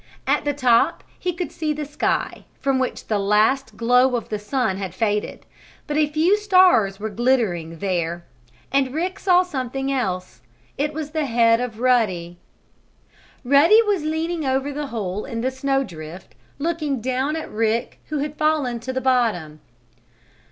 At the top he could see the sky, from which the last glow of the sun had faded, but a few stars were glittering there. And Rick saw something else. It was the head of Ruddy. Ruddy was leaning over the hole in the snow drift, looking down at Rick who had fallen to the bottom.